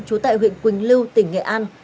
chú tại huyện quỳnh lưu tỉnh nghệ an